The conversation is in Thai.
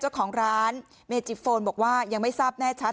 เจ้าของร้านเมจิโฟนบอกว่ายังไม่ทราบแน่ชัด